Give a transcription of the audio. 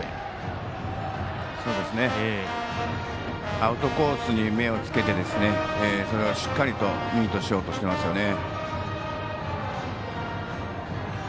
アウトコースに目をつけてそれをしっかりとミートしようとしていますよね。